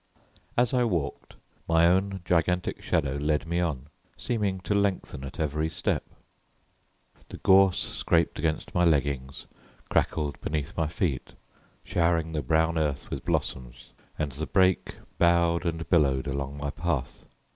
As I walked my own gigantic shadow led me on, seeming to lengthen at every step. The gorse scraped against my leggings, crackled beneath my feet, showering the brown earth with blossoms, and the brake bowed and billowed along my path.